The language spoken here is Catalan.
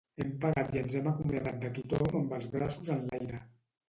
Hem pagat i ens hem acomiadat de tothom amb els braços enlaire.